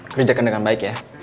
kerjakan dengan baik ya